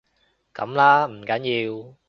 噉啦，唔緊要